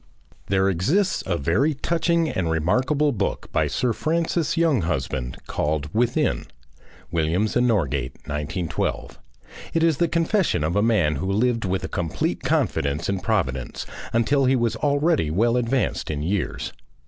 There exists a very touching and remarkable book by Sir Francis Younghusband called "Within." [Williams and Norgate, 1912.] It is the confession of a man who lived with a complete confidence in Providence until he was already well advanced in years.